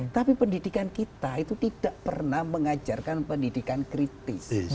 tapi pendidikan kita itu tidak pernah mengajarkan pendidikan kritis